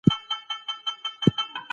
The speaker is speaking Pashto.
دغه ولسوالي د ولایت په کچه مهمه ولسوالي ده